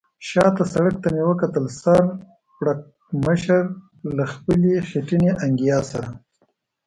شا ته سړک ته مې وکتل، سر پړکمشر له خپلې خټینې انګیا سره.